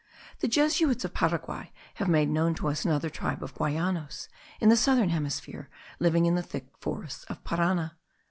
The Jesuits of Paraguay have made known to us another tribe of Guayanos* in the southern hemisphere, living in the thick forests of Parana.